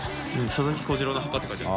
「佐々木小次郎の墓」って書いてある。